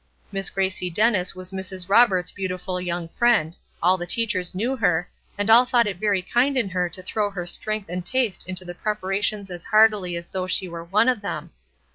Miss Gracie Dennis was Mrs. Roberts' beautiful young friend; all the teachers knew her, and all thought it very kind in her to throw her strength and taste into the preparations as heartily as though she were one of them.